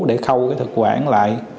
để khâu cái thực quản lại